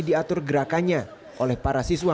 diatur gerakannya oleh para siswa